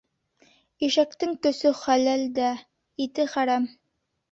Ишәктең көсө хәләл дә. ите хәрәм.